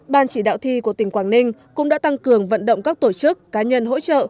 ban chỉ đạo thi của tỉnh quảng ninh cũng đã tăng cường vận động các tổ chức cá nhân hỗ trợ